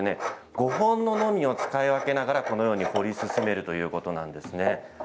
５本ののみを使い分けながらこのように彫り進めるということなんです。